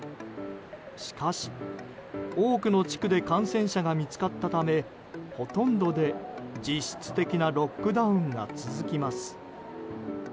しかし、多くの地区で感染者が見つかったためほとんどで実質的なロックダウンが続きます。